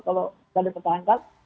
kalau tidak dipertahankan